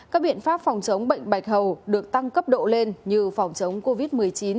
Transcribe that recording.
các biện pháp phòng chống bệnh bạch hầu được tăng cấp độ lên như phòng chống covid một mươi chín